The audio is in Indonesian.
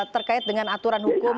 terkait dengan aturan hukum